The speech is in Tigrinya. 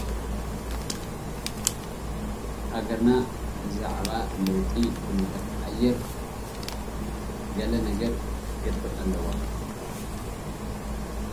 ሃገርና ብዛዕባ ለውጢ ዅነታት ኣየር ገለ ነገር ክትገብር ኣለዋ።